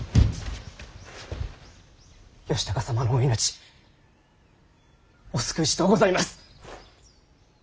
義高様のお命お救いしとうございます。